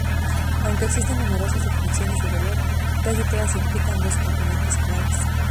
Aunque existen numerosas definiciones de dolor, casi todas implican dos componentes clave.